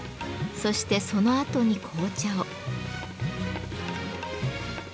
そしてそのあとに紅茶を。